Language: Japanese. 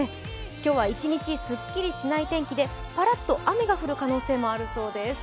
今日は一日、すっきりしない天気でパラッと雨が降る可能性もあるそうです。